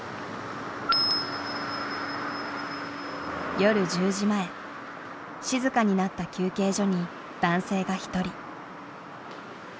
夜１０時前静かになった休憩所に男性が一人。